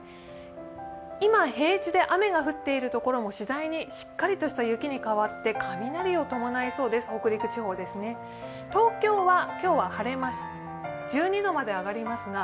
今、平地で雨が降っているところもしだいにしっかりとした雪に変わって雷を伴いそうです、北陸地方ですね東京は、今日は晴れます。